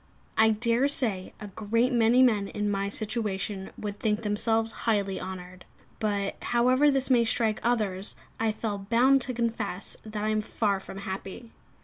I dare say a great many men in my situation would think themselves highly honoured; but, however this may strike others, I fell bound to confess that I am far from happy.